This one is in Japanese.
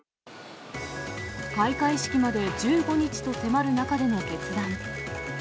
開会式まで１５日と迫る中での決断。